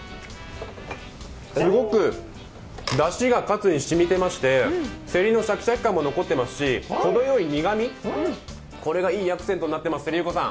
すごくだしがカツにしみてましてセリのシャキシャキ感も残ってますし、程良い苦みこれがいいアクセントになってます、ゆう子さん